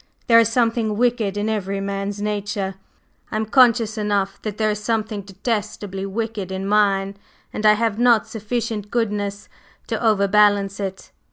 There is something wicked in every man's nature; I am conscious enough that there is something detestably wicked in mine, and I have not sufficient goodness to overbalance it.